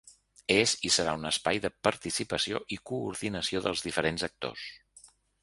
És i serà un espai de participació i coordinació dels diferents actors.